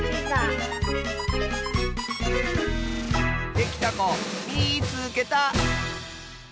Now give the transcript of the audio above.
できたこみいつけた！